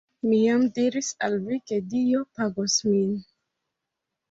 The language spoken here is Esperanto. Mi jam diris al vi ke Dio pagos min